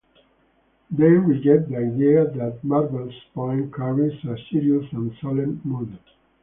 They reject the idea that Marvell's poem carries a serious and solemn mood.